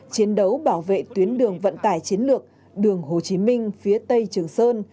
chiến đấu bảo vệ tuyến đường vận tải chiến lược đường hồ chí minh phía tây trường sơn